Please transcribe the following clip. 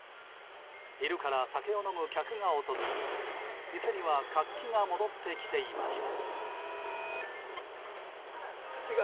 昼から酒を飲む客が訪れ店には活気が戻ってきていました。